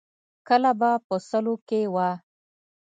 کله به په سلو کې وه.